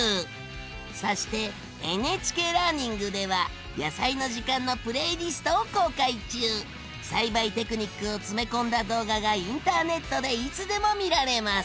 そしてＮＨＫラーニングでは「やさいの時間」のプレイリストを公開中！栽培テクニックを詰め込んだ動画がインターネットでいつでも見られます！